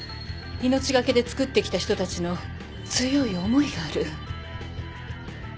命懸けで作ってきた人たちの強い思いがある。